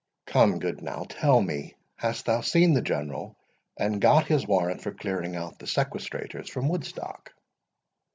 Come, good now, tell me, hast thou seen the General, and got his warrant for clearing out the sequestrators from Woodstock?"